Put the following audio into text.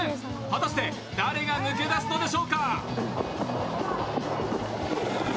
果たして誰が抜け出すのでしょうか。